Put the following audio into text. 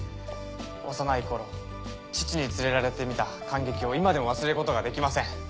幼い頃父に連れられて見た感激を今でも忘れることができません。